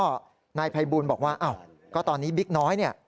ก็นายภัยบูลบอกว่าอ้าวก็ตอนนี้บิ๊กน้อยเนี่ย